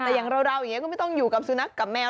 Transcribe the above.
แต่อย่างเราอย่างนี้ก็ไม่ต้องอยู่กับสุนัขกับแมว